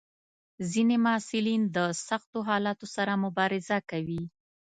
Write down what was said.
ځینې محصلین د سختو حالاتو سره مبارزه کوي.